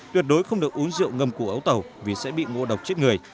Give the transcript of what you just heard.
tuyệt đối không được uống rượu ngâm củ ấu tẩu vì sẽ bị ngô độc chết người